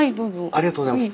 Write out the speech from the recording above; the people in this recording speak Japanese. ありがとうございます。